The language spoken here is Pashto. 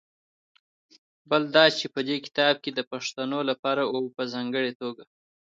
بل دا چې په دې کتاب کې د پښتنو لپاره او په ځانګړې توګه